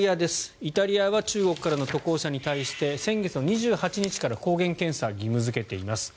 イタリアは中国からの渡航者に対して先月２８日から抗原検査を義務付けています。